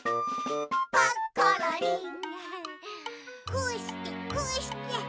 「こうしてこうして」